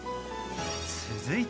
続いて